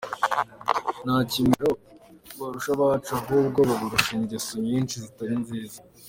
Nta kimero barusha abacu; ahubwo babarusha ingeso nyinshi zitari nziza.